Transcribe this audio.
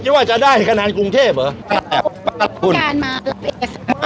คิดว่าจะได้กระนกรุงเทพเยอะ